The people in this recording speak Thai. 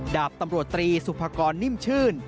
ดาบตำรวจตรีสุภากรนิ่มชื่น